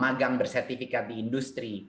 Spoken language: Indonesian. program bersertifikat di industri